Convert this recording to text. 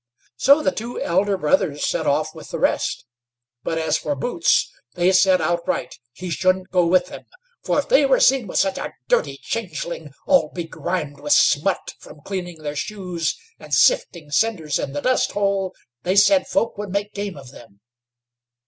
So the two elder brothers set off with the rest; but as for Boots, they said outright he shouldn't go with them, for if they were seen with such a dirty changeling, all begrimed with smut from cleaning their shoes and sifting cinders in the dust hole, they said folk would make game of them.